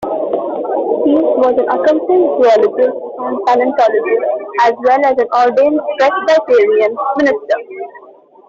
He was an accomplished zoologist and paleontologist, as well as an ordained Presbyterian minister.